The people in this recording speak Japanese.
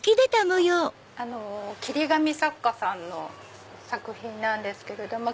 切り紙作家さんの作品なんですけれども。